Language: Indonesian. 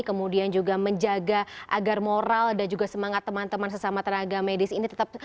kemudian juga menjaga agar moral dan juga semangat teman teman sesama tenaga medis ini tetap